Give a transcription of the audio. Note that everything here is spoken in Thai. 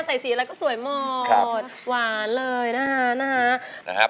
ใส่สีอะไรก็สวยหมดหวานเลยนะฮะนะฮะครับ